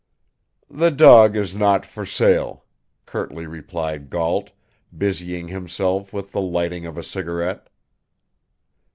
"The dog is not for sale," curtly replied Gault, busying himself with the lighting of a cigarette.